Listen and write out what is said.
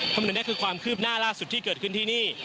คนหนึ่งได้คือความคืบหน้าล่าสุดที่เกิดขึ้นที่นี่